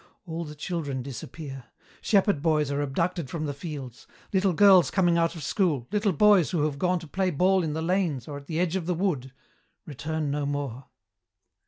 All the children disappear. Shepherd boys are abducted from the fields. Little girls coming out of school, little boys who have gone to play ball in the lanes or at the edge of the wood, return no more.